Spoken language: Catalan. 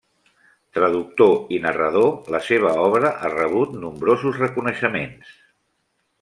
Traductor i narrador, la seva obra ha rebut nombrosos reconeixements.